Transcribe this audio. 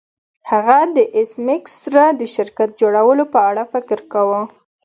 هغه د ایس میکس سره د شرکت جوړولو په اړه فکر کاوه